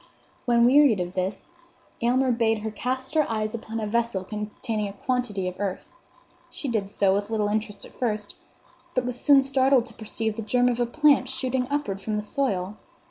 When wearied of this, Aylmer bade her cast her eyes upon a vessel containing a quantity of earth. She did so, with little interest at first; but was soon startled to perceive the germ of a plant shooting upward from the soil.